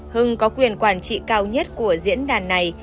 hưng có quyền quản trị cao nhất của diễn đàn này